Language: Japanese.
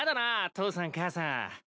父さん母さん。